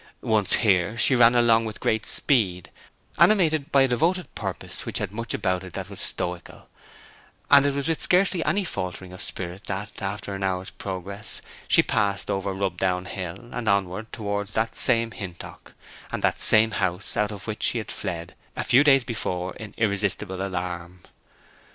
Once here, she ran along with great speed, animated by a devoted purpose which had much about it that was stoical; and it was with scarcely any faltering of spirit that, after an hour's progress, she passed over Rubdown Hill, and onward towards that same Hintock, and that same house, out of which she had fled a few days before in irresistible alarm.